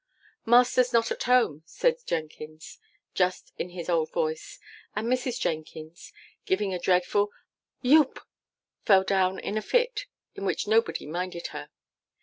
'Master's not at home,' says Jenkins, just in his old voice; and Mrs. Jenkins, giving a dreadful YOUP, fell down in a fit, in which nobody minded her.